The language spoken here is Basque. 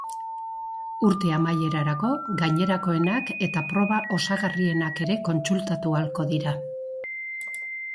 Urte amaierarako gainerakoenak eta proba osagarrienak ere kontsultatu ahalko dira.